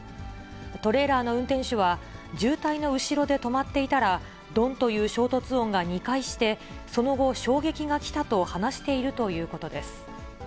トレーラーの運転手は、渋滞の後ろで止まっていたら、どんという衝突音が２回して、その後、衝撃が来たと話しているということです。